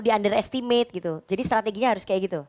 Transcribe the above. di underestimate gitu jadi strateginya harus kayak gitu